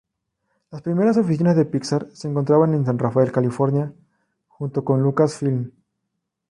Las primeras oficinas de Pixar se encontraban en San Rafael, California junto con Lucasfilm.